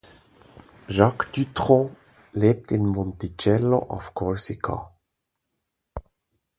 Jacques Dutronc lebt in Monticello auf Korsika.